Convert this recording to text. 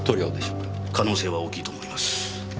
可能性は大きいと思います。